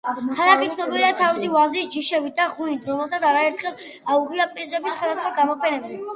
ქალაქი ცნობილია თავისი ვაზის ჯიშებით და ღვინით, რომელსაც არაერთხელ აუღია პრიზები სხვადასხვა გამოფენებზე.